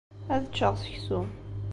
Ad ččeɣ seksu.